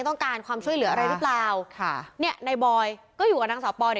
ต้องการความช่วยเหลืออะไรหรือเปล่าค่ะเนี่ยในบอยก็อยู่กับนางสาวปอย